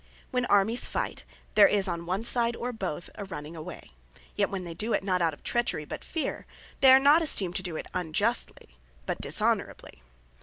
When Armies fight, there is on one side, or both, a running away; yet when they do it not out of trechery, but fear, they are not esteemed to do it unjustly, but dishonourably.